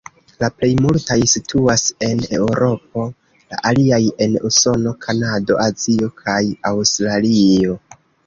La plej multaj situas en Eŭropo, la aliaj en Usono, Kanado, Azio kaj Aŭstralio.